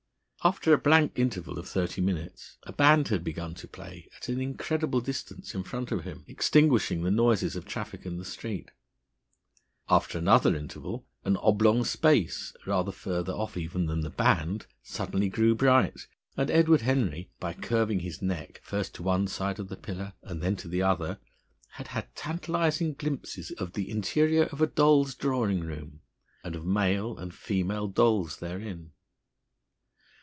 After a blank interval of thirty minutes a band had begun to play at an incredible distance in front of him, extinguishing the noises of traffic in the street. After another interval an oblong space, rather further off even than the band, suddenly grew bright, and Edward Henry, by curving his neck, first to one side of the pillar and then to the other, had had tantalising glimpses of the interior of a doll's drawing room and of male and female dolls therein.